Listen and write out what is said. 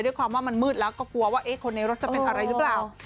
ความว่ามันมืดแล้วก็กลัวว่าคนในรถจะเป็นอะไรหรือเปล่า